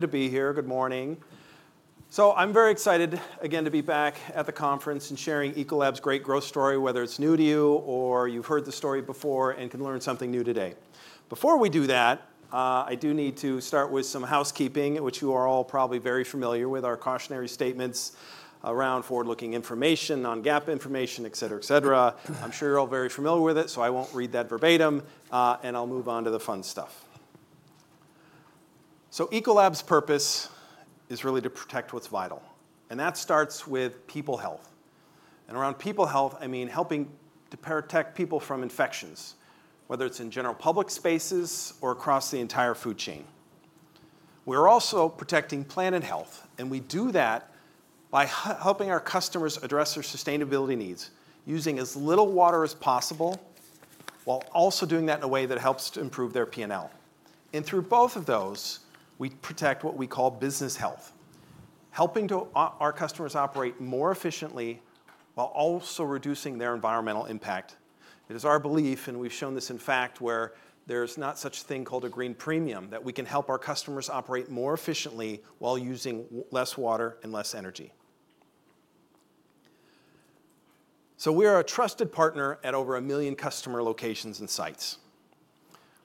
To be here. Good morning. So I'm very excited again to be back at the conference and sharing Ecolab's great growth story, whether it's new to you or you've heard the story before and can learn something new today. Before we do that, I do need to start with some housekeeping, which you are all probably very familiar with, our cautionary statements around forward-looking information, non-GAAP information, et cetera, et cetera. I'm sure you're all very familiar with it, so I won't read that verbatim, and I'll move on to the fun stuff. So Ecolab's purpose is really to protect what's vital, and that starts with people health. And around people health, I mean helping to protect people from infections, whether it's in general public spaces or across the entire food chain. We're also protecting planet health, and we do that by helping our customers address their sustainability needs, using as little water as possible, while also doing that in a way that helps to improve their PNL. And through both of those, we protect what we call business health, helping our customers operate more efficiently while also reducing their environmental impact. It is our belief, and we've shown this in fact, where there's not such thing called a green premium, that we can help our customers operate more efficiently while using less water and less energy. So we are a trusted partner at over 1 million customer locations and sites.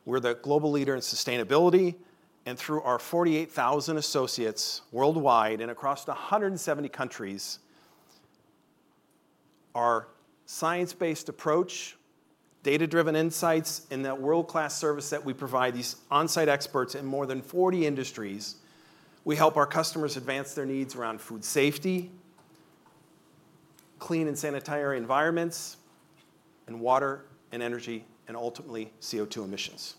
We're the global leader in sustainability, and through our 48,000 associates worldwide and across the 170 countries, our science-based approach, data-driven insights, and that world-class service that we provide these on-site experts in more than 40 industries, we help our customers advance their needs around food safety, clean and sanitary environments, and water and energy, and ultimately, CO₂ emissions.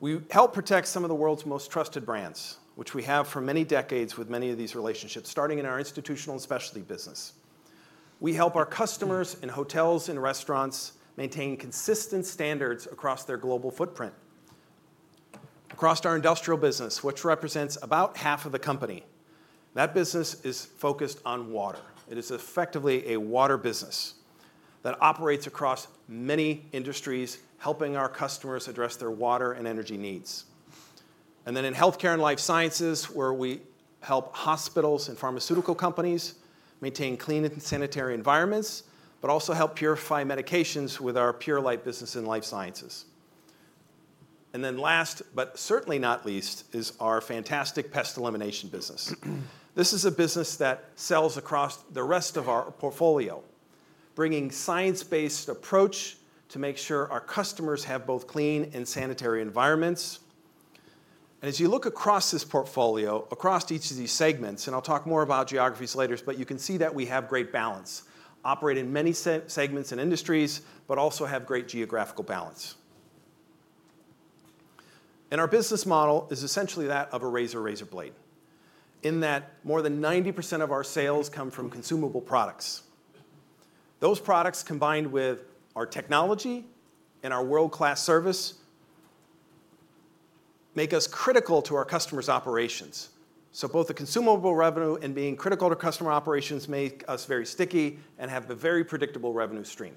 We help protect some of the world's most trusted brands, which we have for many decades with many of these relationships, starting in our institutional and specialty business. We help our customers in hotels and restaurants maintain consistent standards across their global footprint. Across our industrial business, which represents about half of the company, that business is focused on water. It is effectively a water business that operates across many industries, helping our customers address their water and energy needs. And then in healthcare and life sciences, where we help hospitals and pharmaceutical companies maintain clean and sanitary environments, but also help purify medications with our PureLite business and life sciences. And then last, but certainly not least, is our fantastic pest elimination business. This is a business that sells across the rest of our portfolio, bringing science-based approach to make sure our customers have both clean and sanitary environments. And as you look across this portfolio, across each of these segments, and I'll talk more about geographies later, but you can see that we have great balance, operate in many segments and industries, but also have great geographical balance. And our business model is essentially that of a razor-razor blade, in that more than 90% of our sales come from consumable products. Those products, combined with our technology and our world-class service, make us critical to our customers' operations. So both the consumable revenue and being critical to customer operations make us very sticky and have a very predictable revenue stream.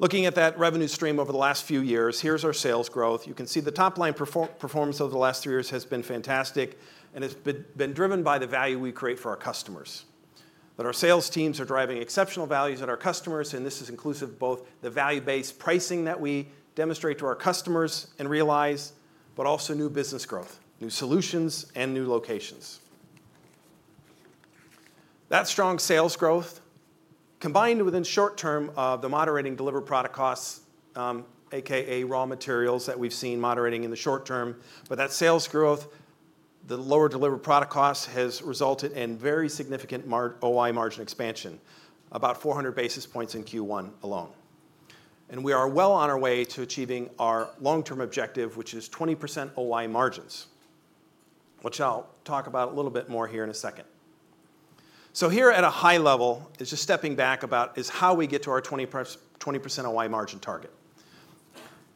Looking at that revenue stream over the last few years, here's our sales growth. You can see the top-line performance over the last three years has been fantastic and has been driven by the value we create for our customers. But our sales teams are driving exceptional values at our customers, and this is inclusive of both the value-based pricing that we demonstrate to our customers and realize, but also new business growth, new solutions, and new locations. That strong sales growth, combined with the short term of the moderating delivered product costs, AKA raw materials that we've seen moderating in the short term, but that sales growth, the lower delivered product cost, has resulted in very significant OI margin expansion, about 400 basis points in Q1 alone. We are well on our way to achieving our long-term objective, which is 20% OI margins, which I'll talk about a little bit more here in a second. So here at a high level is just stepping back about how we get to our 20% OI margin target.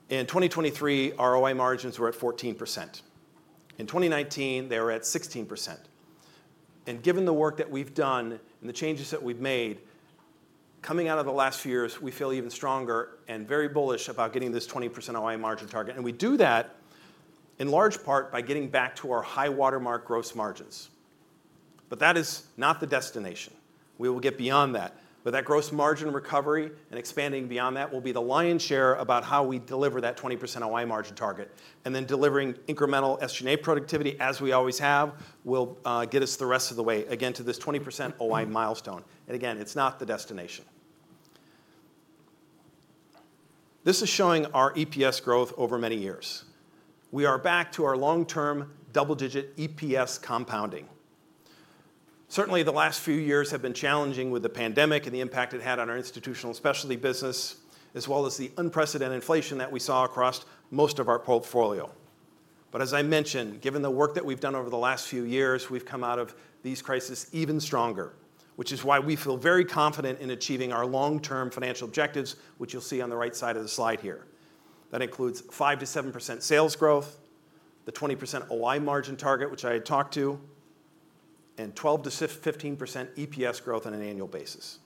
In 2023, our OI margins were at 14%. In 2019, they were at 16%. Given the work that we've done and the changes that we've made, coming out of the last few years, we feel even stronger and very bullish about getting this 20% OI margin target. We do that in large part by getting back to our high-water mark gross margins. But that is not the destination. We will get beyond that. That gross margin recovery and expanding beyond that will be the lion's share about how we deliver that 20% OI margin target, and then delivering incremental SG&A productivity, as we always have, will get us the rest of the way, again, to this 20% OI milestone. It's not the destination. This is showing our EPS growth over many years. We are back to our long-term double-digit EPS compounding. Certainly, the last few years have been challenging with the pandemic and the impact it had on our institutional specialty business, as well as the unprecedented inflation that we saw across most of our portfolio. But as I mentioned, given the work that we've done over the last few years, we've come out of these crises even stronger, which is why we feel very confident in achieving our long-term financial objectives, which you'll see on the right side of the slide here. That includes 5%-7% sales growth, the 20% OI margin target, which I had talked to and 12%-15% EPS growth on an annual basis.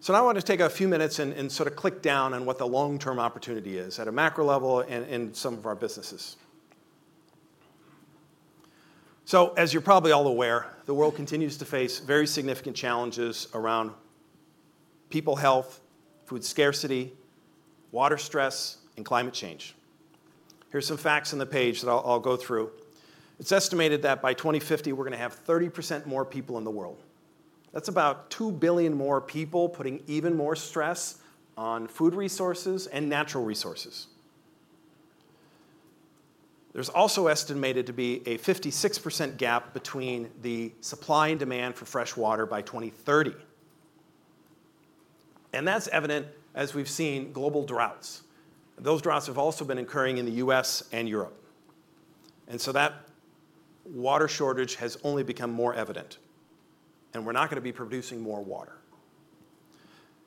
So now I want to take a few minutes and sort of click down on what the long-term opportunity is at a macro level and in some of our businesses. So as you're probably all aware, the world continues to face very significant challenges around people health, food scarcity, water stress, and climate change. Here's some facts on the page that I'll, I'll go through. It's estimated that by 2050, we're going to have 30% more people in the world. That's about 2 billion more people, putting even more stress on food resources and natural resources. There's also estimated to be a 56% gap between the supply and demand for fresh water by 2030, and that's evident as we've seen global droughts. Those droughts have also been occurring in the U.S. and Europe, and so that water shortage has only become more evident, and we're not going to be producing more water.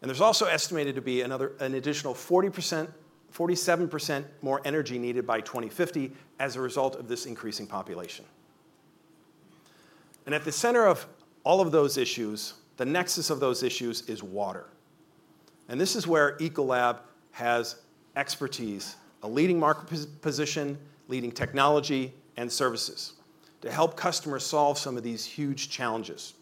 There's also estimated to be another—an additional 40%, 47% more energy needed by 2050 as a result of this increasing population. At the center of all of those issues, the nexus of those issues is water, and this is where Ecolab has expertise, a leading market position, leading technology and services, to help customers solve some of these huge challenges.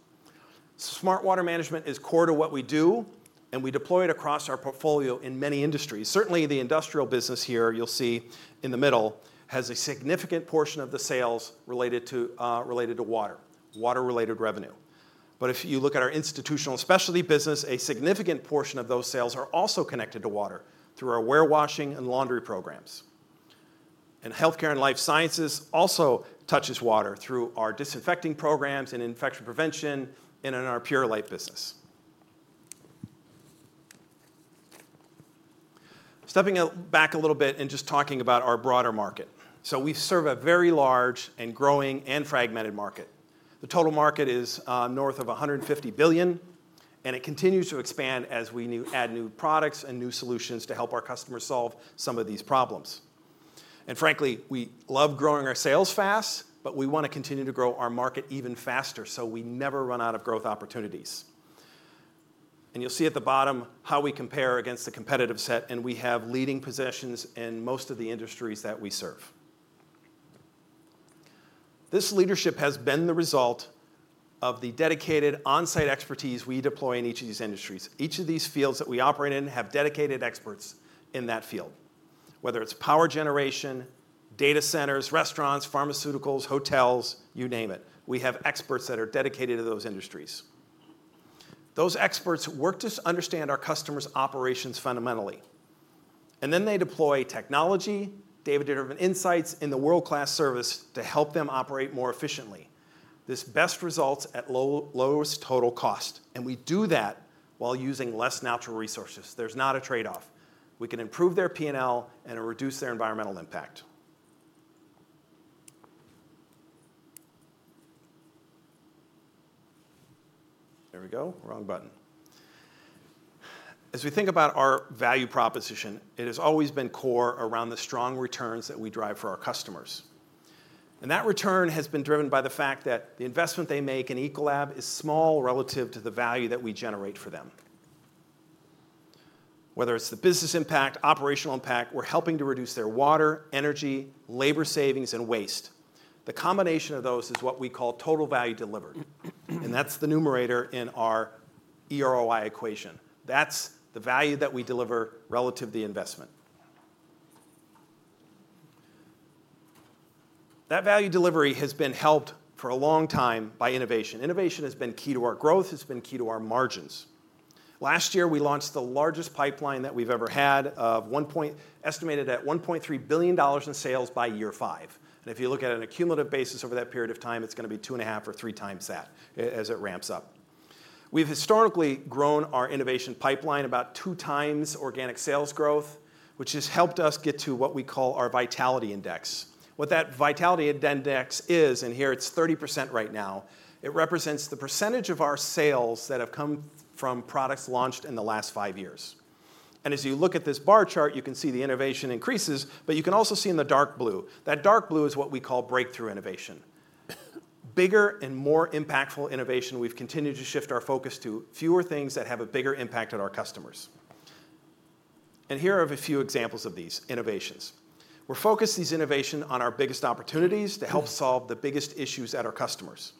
Smart water management is core to what we do, and we deploy it across our portfolio in many industries. Certainly, the industrial business here, you'll see in the middle, has a significant portion of the sales related to related to water, water-related revenue. But if you look at our institutional specialty business, a significant portion of those sales are also connected to water through our warewashing and laundry programs. Healthcare and life sciences also touches water through our disinfecting programs and infection prevention and in our Purolite business. Stepping up, back a little bit and just talking about our broader market. So we serve a very large and growing and fragmented market. The total market is north of $150 billion, and it continues to expand as we add new products and new solutions to help our customers solve some of these problems. And frankly, we love growing our sales fast, but we want to continue to grow our market even faster, so we never run out of growth opportunities. And you'll see at the bottom how we compare against the competitive set, and we have leading positions in most of the industries that we serve. This leadership has been the result of the dedicated on-site expertise we deploy in each of these industries. Each of these fields that we operate in have dedicated experts in that field, whether it's power generation, data centers, restaurants, pharmaceuticals, hotels, you name it. We have experts that are dedicated to those industries. Those experts work to understand our customers' operations fundamentally, and then they deploy technology, data-driven insights, and the world-class service to help them operate more efficiently. This best results at low- lowest total cost, and we do that while using less natural resources. There's not a trade-off. We can improve their PNL and reduce their environmental impact. There we go. Wrong button. As we think about our value proposition, it has always been core around the strong returns that we drive for our customers. And that return has been driven by the fact that the investment they make in Ecolab is small relative to the value that we generate for them. Whether it's the business impact, operational impact, we're helping to reduce their water, energy, labor savings, and waste. The combination of those is what we call total value delivered, and that's the numerator in our EROI equation. That's the value that we deliver relative to the investment. That value delivery has been helped for a long time by innovation. Innovation has been key to our growth, it's been key to our margins. Last year, we launched the largest pipeline that we've ever had, of $1.3 billion estimated at $1.3 billion in sales by year 5. And if you look at it on an accumulative basis over that period of time, it's going to be 2.5 or 3 times that as it ramps up. We've historically grown our innovation pipeline about 2 times organic sales growth, which has helped us get to what we call our Vitality Index. What that Vitality Index is, and here it's 30% right now, it represents the percentage of our sales that have come from products launched in the last 5 years. As you look at this bar chart, you can see the innovation increases, but you can also see in the dark blue. That dark blue is what we call breakthrough innovation. Bigger and more impactful innovation, we've continued to shift our focus to fewer things that have a bigger impact on our customers. Here are a few examples of these innovations. We're focused these innovation on our biggest opportunities to help solve the biggest issues at our customers.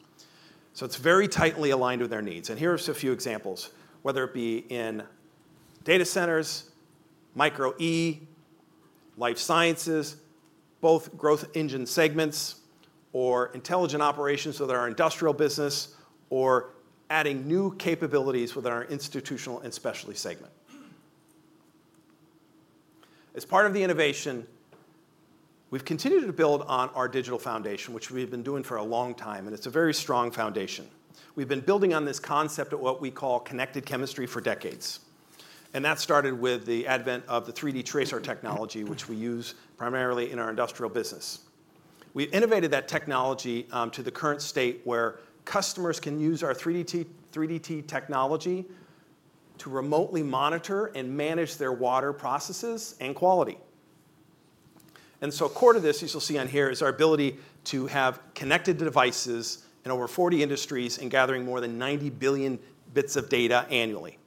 So it's very tightly aligned with their needs, and here are a few examples, whether it be in data centers, MicroE, Life Sciences, both growth engine segments or intelligent operations, so they're our industrial business, or adding new capabilities within our Institutional and Specialty Segment. As part of the innovation, we've continued to build on our digital foundation, which we've been doing for a long time, and it's a very strong foundation. We've been building on this concept of what we call Connected Chemistry for decades, and that started with the advent of the 3D TRASAR technology, which we use primarily in our industrial business. We innovated that technology to the current state where customers can use our 3D TRASAR technology to remotely monitor and manage their water processes and quality. So core to this, as you'll see on here, is our ability to have connected devices in over 40 industries and gathering more than 90 billion bits of data annually.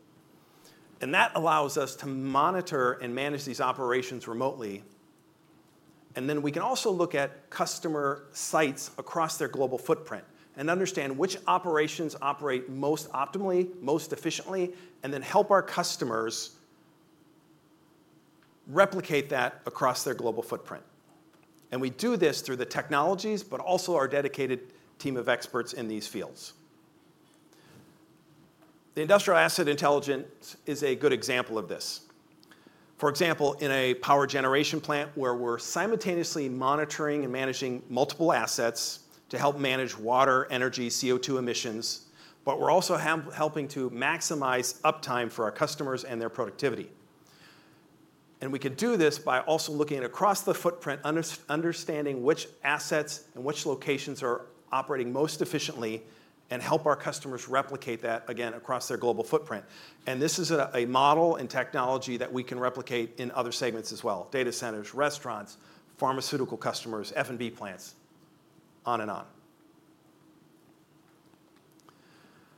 And that allows us to monitor and manage these operations remotely. And then we can also look at customer sites across their global footprint and understand which operations operate most optimally, most efficiently, and then help our customers replicate that across their global footprint. And we do this through the technologies, but also our dedicated team of experts in these fields. Industrial Asset Intelligence is a good example of this. For example, in a power generation plant, where we're simultaneously monitoring and managing multiple assets to help manage water, energy, CO₂ emissions, but we're also helping to maximize uptime for our customers and their productivity. We can do this by also looking across the footprint, understanding which assets and which locations are operating most efficiently, and help our customers replicate that, again, across their global footprint. This is a model and technology that we can replicate in other segments as well: data centers, restaurants, pharmaceutical customers, F&B plants, on and on.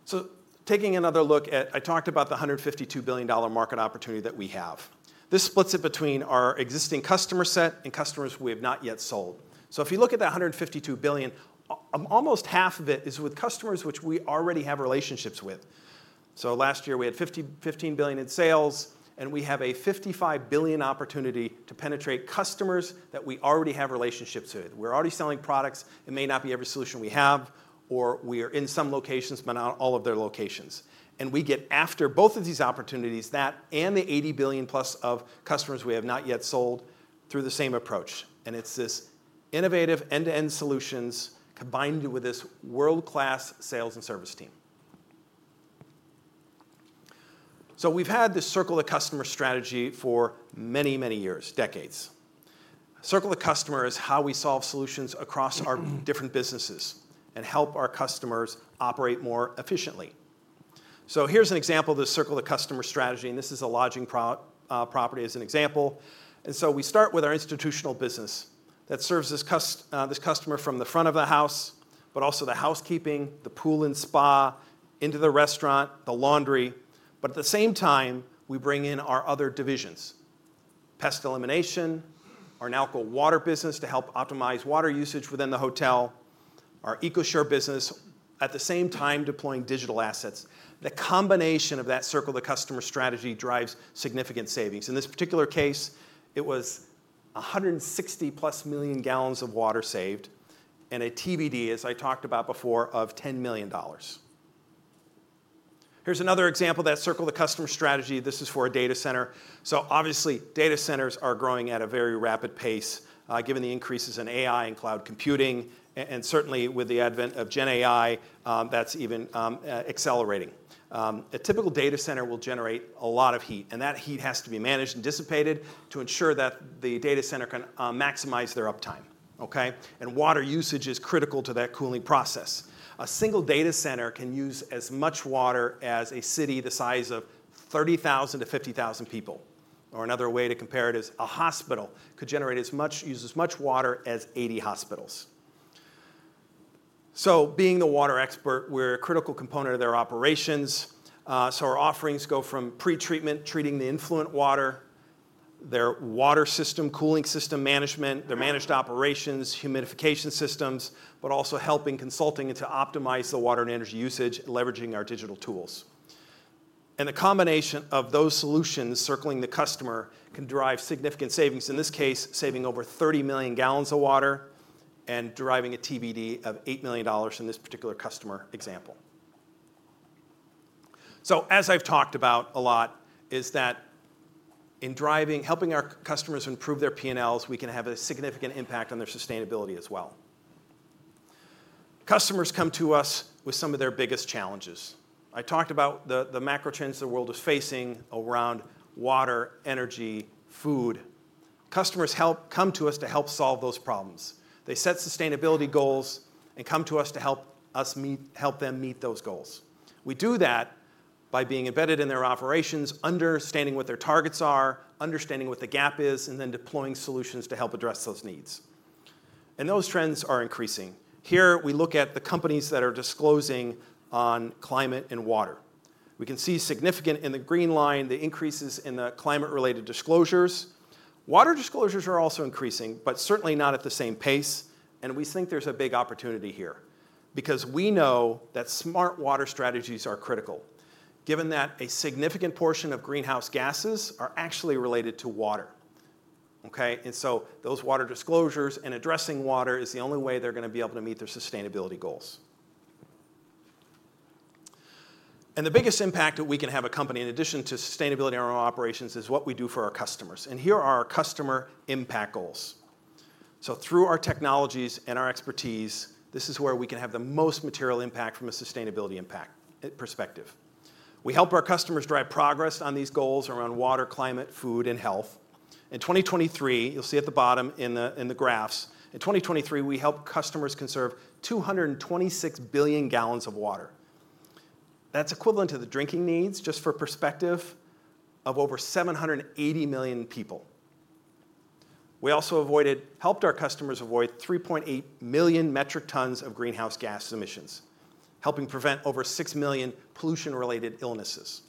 So taking another look at—I talked about the $152 billion market opportunity that we have. This splits it between our existing customer set and customers we have not yet sold. So if you look at that $152 billion, almost half of it is with customers which we already have relationships with. So last year, we had $15 billion in sales, and we have a $55 billion opportunity to penetrate customers that we already have relationships with. We're already selling products. It may not be every solution we have, or we are in some locations, but not all of their locations. And we get after both of these opportunities, that and the $80 billion+ of customers we have not yet sold, through the same approach, and it's this innovative end-to-end solutions combined with this world-class sales and service team. So we've had this Circle the Customer strategy for many, many years, decades. Circle the Customer is how we sell solutions across our different businesses and help our customers operate more efficiently. So here's an example of the Circle the Customer strategy, and this is a lodging property as an example. And so we start with our institutional business that serves this customer from the front of the house, but also the housekeeping, the pool and spa, into the restaurant, the laundry. But at the same time, we bring in our other divisions: pest elimination, our Nalco Water business to help optimize water usage within the hotel, our EcoSure business, at the same time deploying digital assets. The combination of that Circle the Customer strategy drives significant savings. In this particular case, it was 160+ million gallons of water saved and a TBD, as I talked about before, of $10 million. Here's another example of that Circle the Customer strategy. This is for a data center. So obviously, data centers are growing at a very rapid pace, given the increases in AI and cloud computing, and certainly with the advent of GenAI, that's even accelerating. A typical data center will generate a lot of heat, and that heat has to be managed and dissipated to ensure that the data center can maximize their uptime, okay? And water usage is critical to that cooling process. A single data center can use as much water as a city the size of 30,000-50,000 people, or another way to compare it is a hospital could use as much water as 80 hospitals. So being the water expert, we're a critical component of their operations. So our offerings go from pre-treatment, treating the influent water, their water system, cooling system management, their managed operations, humidification systems, but also helping consulting and to optimize the water and energy usage, leveraging our digital tools. The combination of those solutions circling the customer can drive significant savings, in this case, saving over 30 million gallons of water and deriving an eROI of $8 million in this particular customer example. So, as I've talked about a lot, is that in driving, helping our customers improve their PNLs, we can have a significant impact on their sustainability as well. Customers come to us with some of their biggest challenges. I talked about the macro trends the world is facing around water, energy, food. Customers come to us to help solve those problems. They set sustainability goals and come to us to help us meet, help them meet those goals. We do that by being embedded in their operations, understanding what their targets are, understanding what the gap is, and then deploying solutions to help address those needs. Those trends are increasing. Here, we look at the companies that are disclosing on climate and water. We can see significant, in the green line, the increases in the climate-related disclosures. Water disclosures are also increasing, but certainly not at the same pace, and we think there's a big opportunity here because we know that smart water strategies are critical, given that a significant portion of greenhouse gases are actually related to water, okay? And so those water disclosures and addressing water is the only way they're gonna be able to meet their sustainability goals. And the biggest impact that we can have a company, in addition to sustainability in our own operations, is what we do for our customers, and here are our customer impact goals. So through our technologies and our expertise, this is where we can have the most material impact from a sustainability impact perspective. We help our customers drive progress on these goals around water, climate, food, and health. In 2023, you'll see at the bottom in the, in the graphs, in 2023, we helped customers conserve 226 billion gallons of water. That's equivalent to the drinking needs, just for perspective, of over 780 million people. We also helped our customers avoid 3.8 million metric tons of greenhouse gas emissions, helping prevent over 6 million pollution-related illnesses,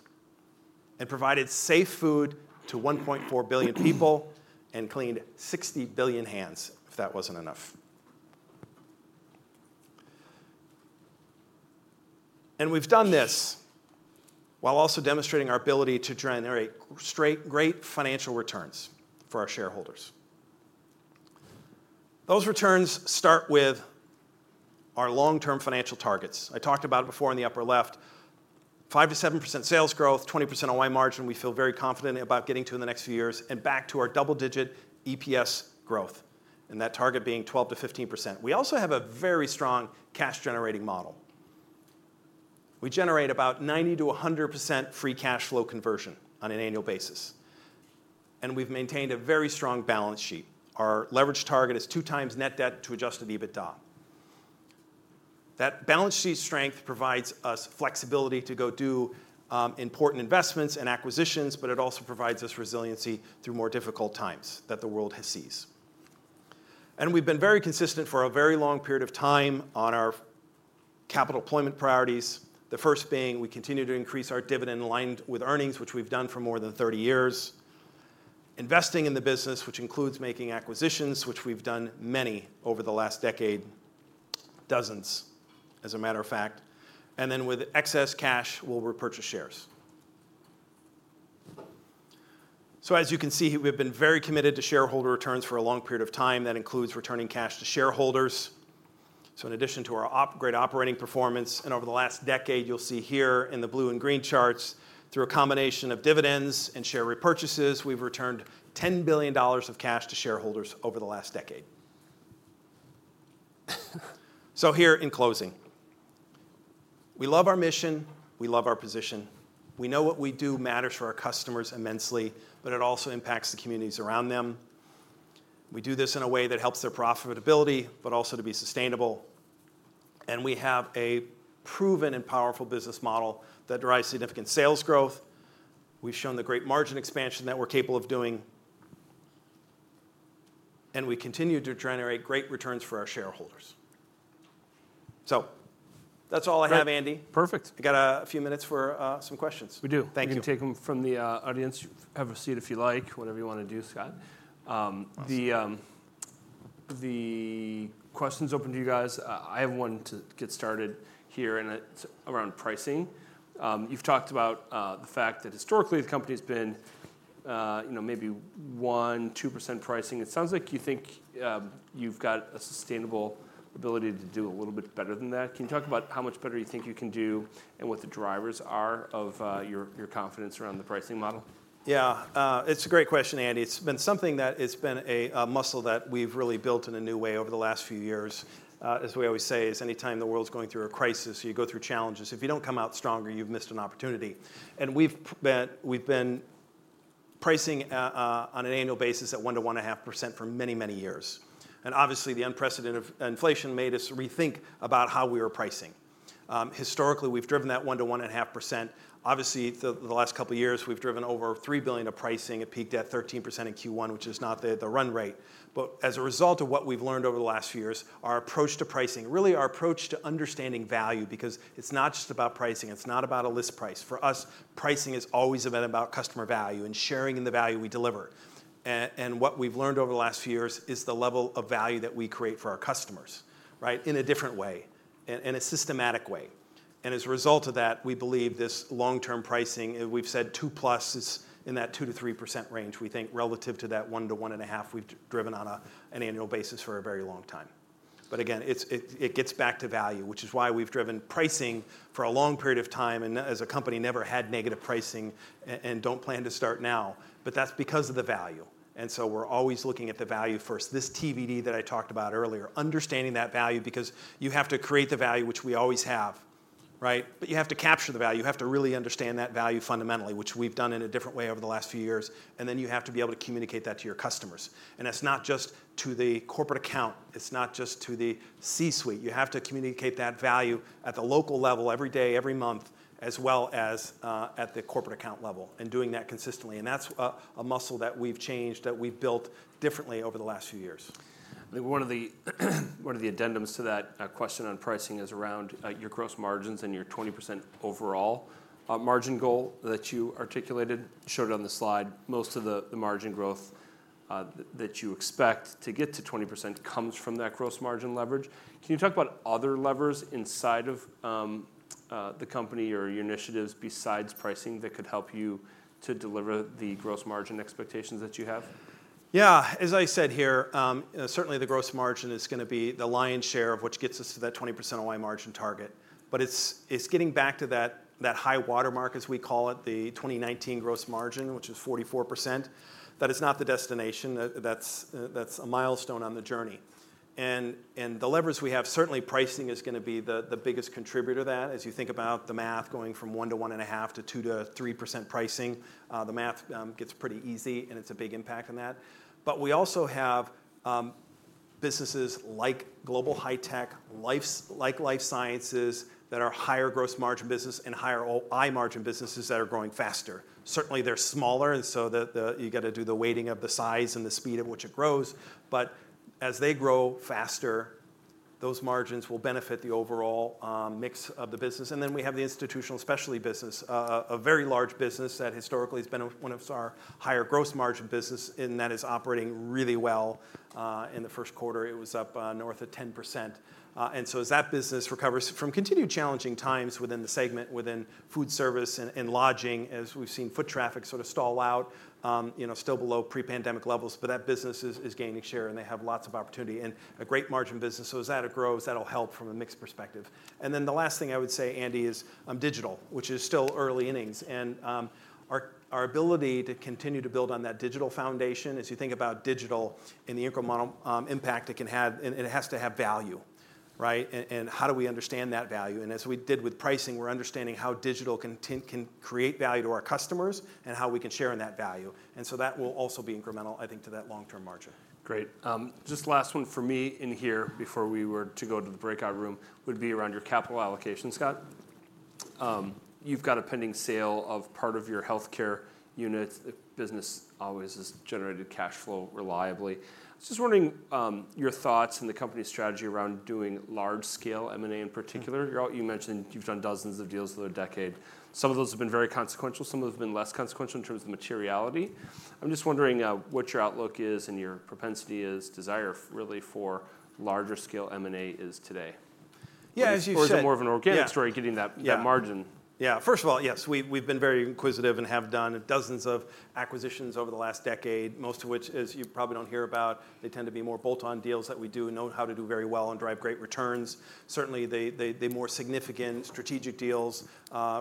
and provided safe food to 1.4 billion people, and cleaned 60 billion hands, if that wasn't enough. And we've done this while also demonstrating our ability to generate great financial returns for our shareholders. Those returns start with our long-term financial targets. I talked about it before in the upper left, 5%-7% sales growth, 20% OI margin, we feel very confident about getting to in the next few years, and back to our double-digit EPS growth, and that target being 12%-15%. We also have a very strong cash-generating model. We generate about 90%-100% free cash flow conversion on an annual basis, and we've maintained a very strong balance sheet. Our leverage target is 2x net debt to adjusted EBITDA. That balance sheet strength provides us flexibility to go do important investments and acquisitions, but it also provides us resiliency through more difficult times that the world has seen. And we've been very consistent for a very long period of time on our capital deployment priorities. The first being, we continue to increase our dividend aligned with earnings, which we've done for more than 30 years. Investing in the business, which includes making acquisitions, which we've done many over the last decade, dozens, as a matter of fact, and then with excess cash, we'll repurchase shares. So as you can see, we've been very committed to shareholder returns for a long period of time, that includes returning cash to shareholders. So in addition to our great operating performance, and over the last decade, you'll see here in the blue and green charts, through a combination of dividends and share repurchases, we've returned $10 billion of cash to shareholders over the last decade. So here in closing, we love our mission, we love our position. We know what we do matters for our customers immensely, but it also impacts the communities around them. We do this in a way that helps their profitability, but also to be sustainable. We have a proven and powerful business model that drives significant sales growth. We've shown the great margin expansion that we're capable of doing, and we continue to generate great returns for our shareholders. That's all I have, Andy. Perfect. I got a few minutes for some questions. We do. Thank you. We can take them from the audience. Have a seat, if you like. Whatever you want to do, Scott. Awesome. The question's open to you guys. I have one to get started here, and it's around pricing. You've talked about the fact that historically, the company's been, you know, maybe 1%-2% pricing. It sounds like you think you've got a sustainable ability to do a little bit better than that. Can you talk about how much better you think you can do, and what the drivers are of your confidence around the pricing model? Yeah, it's a great question, Andy. It's been something that it's been a muscle that we've really built in a new way over the last few years. As we always say, is any time the world's going through a crisis, you go through challenges. If you don't come out stronger, you've missed an opportunity. And we've been, we've been pricing on an annual basis at 1%-1.5% for many, many years. And obviously, the unprecedented inflation made us rethink about how we were pricing. Historically, we've driven that 1%-1.5%. Obviously, the last couple of years, we've driven over $3 billion of pricing. It peaked at 13% in Q1, which is not the run rate. But as a result of what we've learned over the last few years, our approach to pricing, really our approach to understanding value, because it's not just about pricing, it's not about a list price. For us, pricing is always about customer value and sharing in the value we deliver. And what we've learned over the last few years is the level of value that we create for our customers, right, in a different way, in a systematic way. And as a result of that, we believe this long-term pricing, we've said 2+ is in that 2%-3% range, we think, relative to that 1-1.5 we've driven on an annual basis for a very long time. But again, it gets back to value, which is why we've driven pricing for a long period of time, and as a company, never had negative pricing, and don't plan to start now, but that's because of the value. And so we're always looking at the value first. This TBD that I talked about earlier, understanding that value, because you have to create the value, which we always have, right? But you have to capture the value. You have to really understand that value fundamentally, which we've done in a different way over the last few years, and then you have to be able to communicate that to your customers. And it's not just to the corporate account, it's not just to the C-suite. You have to communicate that value at the local level every day, every month, as well as at the corporate account level, and doing that consistently. And that's a muscle that we've changed, that we've built differently over the last few years. One of the, one of the addendums to that, question on pricing is around, your gross margins and your 20% overall, margin goal that you articulated, showed on the slide. Most of the, the margin growth, that you expect to get to 20% comes from that gross margin leverage. Can you talk about other levers inside of, the company or your initiatives besides pricing that could help you to deliver the gross margin expectations that you have? Yeah, as I said here, certainly the gross margin is gonna be the lion's share of which gets us to that 20% OI margin target. But it's, it's getting back to that, that high water mark, as we call it, the 2019 gross margin, which is 44%. That is not the destination. That's, that's a milestone on the journey. And, and the levers we have, certainly, pricing is gonna be the, the biggest contributor to that. As you think about the math going from 1% to 1.5% to 2% to 3% pricing, the math gets pretty easy, and it's a big impact on that. But we also have businesses like Global High-Tech, like Life Sciences, that are higher gross margin business and higher OI margin businesses that are growing faster. Certainly, they're smaller, and so the you gotta do the weighting of the size and the speed at which it grows, but as they grow faster, those margins will benefit the overall mix of the business. And then we have the institutional specialty business, a very large business that historically has been one of our higher gross margin business, and that is operating really well. In the first quarter, it was up north of 10%. And so as that business recovers from continued challenging times within the segment, within food service and lodging, as we've seen foot traffic sort of stall out, you know, still below pre-pandemic levels, but that business is gaining share, and they have lots of opportunity, and a great margin business, so as that grows, that'll help from a mix perspective. And then the last thing I would say, Andy, is digital, which is still early innings, and our ability to continue to build on that digital foundation, as you think about digital and the incremental impact it can have, and it has to have value, right? And how do we understand that value? And as we did with pricing, we're understanding how digital content can create value to our customers and how we can share in that value, and so that will also be incremental, I think, to that long-term margin. Great. Just last one from me in here before we were to go to the breakout room, would be around your capital allocation, Scott. You've got a pending sale of part of your healthcare unit. The business always has generated cash flow reliably. Just wondering, your thoughts and the company's strategy around doing large-scale M&A in particular. You mentioned you've done dozens of deals over the decade. Some of those have been very consequential, some of them have been less consequential in terms of materiality. I'm just wondering what your outlook is and your propensity is, desire really for larger scale M&A is today? Yeah, as you said- Or is it more of an organic story- Yeah... getting that- Yeah... that margin? Yeah. First of all, yes, we, we've been very inquisitive and have done dozens of acquisitions over the last decade, most of which, as you probably don't hear about, they tend to be more bolt-on deals that we do and know how to do very well and drive great returns. Certainly, the more significant strategic deals,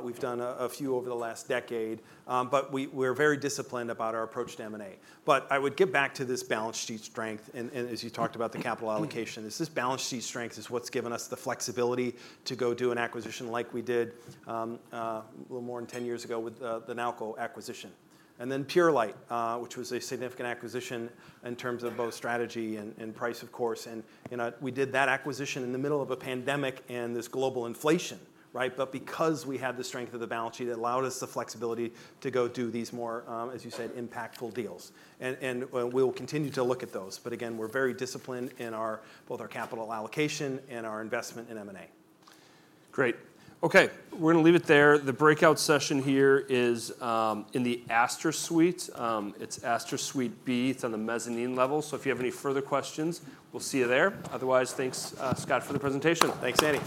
we've done a few over the last decade. But we're very disciplined about our approach to M&A. But I would get back to this balance sheet strength and, and as you talked about the capital allocation, it's this balance sheet strength is what's given us the flexibility to go do an acquisition like we did, a little more than 10 years ago with the Nalco acquisition, and then Purolite, which was a significant acquisition in terms of both strategy and price, of course. And, you know, we did that acquisition in the middle of a pandemic and this global inflation, right? But because we had the strength of the balance sheet, it allowed us the flexibility to go do these more, as you said, impactful deals. And we'll continue to look at those. But again, we're very disciplined in both our capital allocation and our investment in M&A. Great. Okay, we're going to leave it there. The breakout session here is in the Astor Suite. It's Astor Suite B. It's on the mezzanine level. So if you have any further questions, we'll see you there. Otherwise, thanks, Scott, for the presentation. Thanks, Andy.